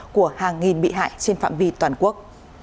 của hàng nghìn bị hại trên phạm vi toàn quốc